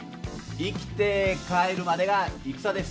生きて帰るまでが戦です！